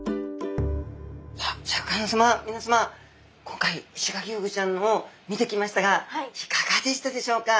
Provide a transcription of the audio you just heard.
今回イシガキフグちゃんを見てきましたがいかがでしたでしょうか？